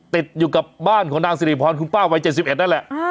ติดอยู่กับบ้านของนางศรี่ข้อนของคุณป้าวายเจ็ดสิบเอ็ดนั่นแหละ